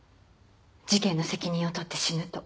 「事件の責任を取って死ぬ」と。